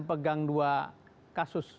saya pegang dua kasus